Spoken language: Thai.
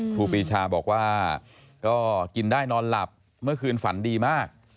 ครูปีชาบอกว่าก็กินได้นอนหลับเมื่อคืนฝันดีมาก